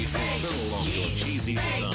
チーズ！